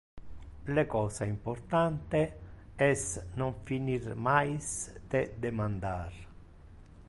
Le cosa importante es non finir mais de demandar.